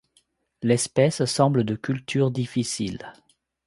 L'espèce semble de culture difficile.